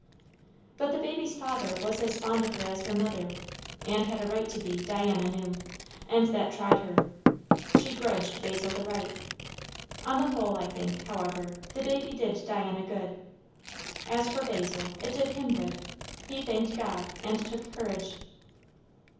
But the baby's father was as fond of her as her mother, and had a right to be, Diana knew; and that tried her. She grudged Basil the right. On the whole, I think, however, the baby did Diana good As for Basil, it did him good. He thanked God, and took courage.